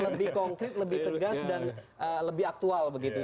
lebih konkret lebih tegas dan lebih aktual begitu ya